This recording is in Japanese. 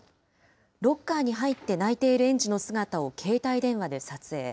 ロッカーに入って泣いている園児の姿を携帯電話で撮影。